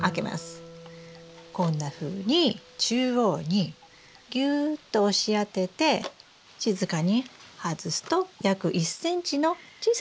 こんなふうに中央にギューッと押し当てて静かに外すと約１ｃｍの小さなまき穴が出来ます。